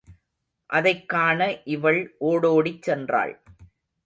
அதைக் காண இவள் ஓடோடிச் சென்றாள்.